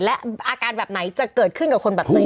และอาการแบบไหนจะเกิดขึ้นกับคนแบบไหน